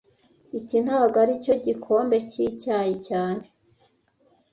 Iki ntago aricyo gikombe cyicyayi cyane